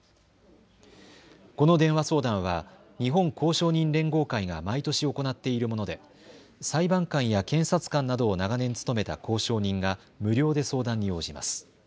この電話相談は日本公証人連合会が毎年行っているもので裁判官や検察官などを長年務めた公証人が無料で相談に応じます。